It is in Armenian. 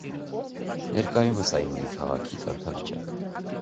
Ներկայումս այն ունի քաղաքի կարգավիճակ։